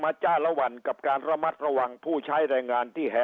จ้าละวันกับการระมัดระวังผู้ใช้แรงงานที่แห่